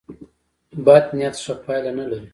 بد نیت ښه پایله نه لري.